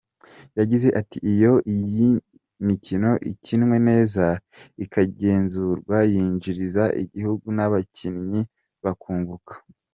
Yagize ati “ Iyo iyi mikino ikinwe neza, ikagenzurwa, yinjiriza igihugu n’abayikinnye bakunguka.